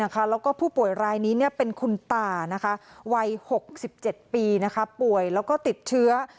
แล้วก็ผู้ป่วยรายนี้เป็นคุณตาวัย๖๗ปีป่วยแล้วก็ติดเชื้อ